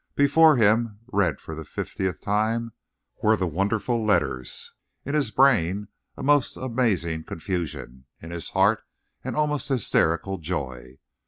Before him, read for the fiftieth time, were the wonderful letters, in his brain a most amazing confusion, in his heart an almost hysterical joy.